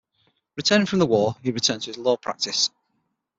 Returning from the war, he returned to his law practice.